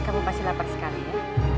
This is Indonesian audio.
kamu pasti lapar sekali ya